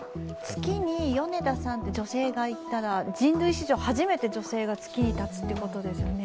月に米田さん、女性が行ったら人類史上初めて女性が月に立つということですね。